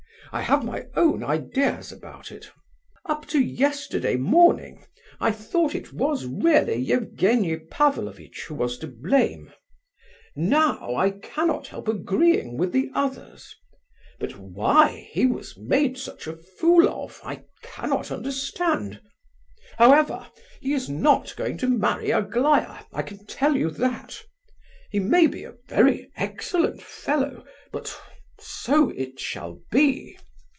I have my own ideas about it. Up to yesterday morning I thought it was really Evgenie Pavlovitch who was to blame; now I cannot help agreeing with the others. But why he was made such a fool of I cannot understand. However, he is not going to marry Aglaya, I can tell you that. He may be a very excellent fellow, but—so it shall be.